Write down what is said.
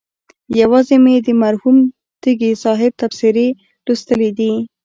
یوازې مې د مرحوم تږي صاحب تبصرې لوستلي دي.